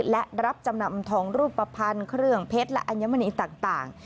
และรับจำนำทองรูปภัณฑ์เครื่องเพชรและอัญมณีต่าง